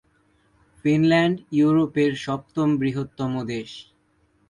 Finland ইউরোপের সপ্তম বৃহত্তম দেশ।